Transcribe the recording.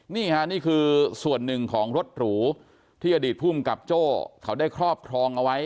นี่ค่ะนี่คือส่วนหนึ่งของรถหรูที่อดีตภูมิกับโจ้เขาได้ครอบครองเอาไว้